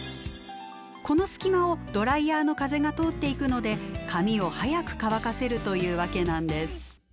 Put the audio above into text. この隙間をドライヤーの風が通っていくので髪を早く乾かせるというわけなんです。